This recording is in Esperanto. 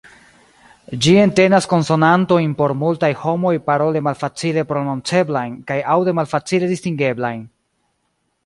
Ĝi entenas konsonantojn por multaj homoj parole malfacile prononceblajn kaj aŭde malfacile distingeblajn.